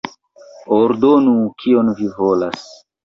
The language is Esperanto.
Ordonu, kion vi volas!